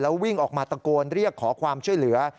วิ่งออกมาตะโกนเรียกขอความช่วยเหลือ